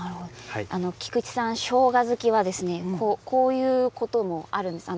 菊地さんのしょうが好きはこういうこともあるんですよ。